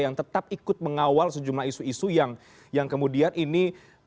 yang tetap ikut mengawal sejumlah isu isu yang kemudian ini